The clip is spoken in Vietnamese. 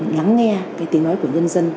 lắng nghe tiếng nói của nhân dân